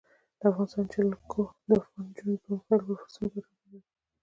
د افغانستان جلکو د افغان نجونو د پرمختګ لپاره فرصتونه برابروي.